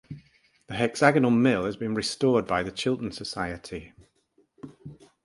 The hexagonal mill has been restored by the Chiltern Society.